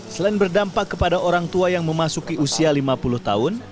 selain berdampak kepada orang tua yang memasuki usia lima puluh tahun